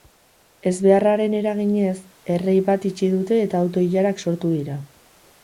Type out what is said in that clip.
Ezbeharraren eraginez, errei bat itxi dute eta auto-ilarak sortu dira.